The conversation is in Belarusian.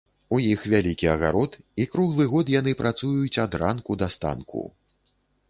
У іх вялікі агарод, і круглы год яны працуюць ад ранку да станку.